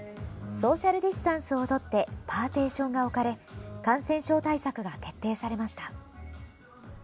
ソーシャルディスタンスをとってパーティションが置かれ感染症対策が徹底されました。